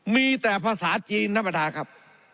มีแต่ภาษาจีนน้ำประดาษครับ